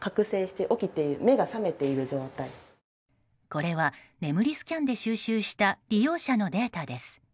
これは眠りスキャンで収集した利用者のデータです。